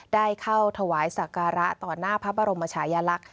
ได้เข้าถวายสักการะต่อหน้าพระบรมชายลักษณ์